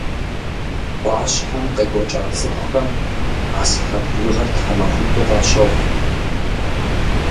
Ӏуащхьэм къекӀуэкӀа цӀыхухэм а сыхьэт бжыгъэр тхьэмахуитӀу къащохъу.